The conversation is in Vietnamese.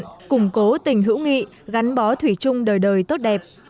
tham dự chương trình giao lưu biên cương thắm tỉnh hữu nghị gắn bó thủy chung đời đời tốt đẹp